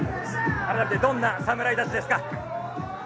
改めてどんな侍たちですか？